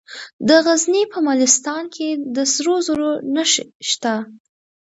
د غزني په مالستان کې د سرو زرو نښې شته.